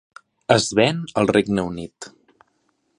Es ven al Regne Unit.